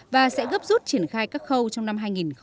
và sẽ gấp rút triển khai các khâu trong năm hai nghìn hai mươi